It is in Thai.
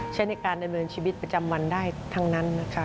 ใช้ในการดำเนินชีวิตประจำวันได้ทั้งนั้นนะคะ